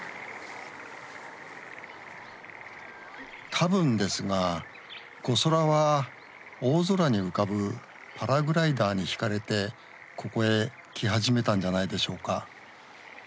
多分ですがこそらは大空に浮かぶパラグライダーに引かれてここへ来始めたんじゃないでしょうか。